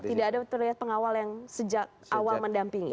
tidak ada terlihat pengawal yang sejak awal mendampingi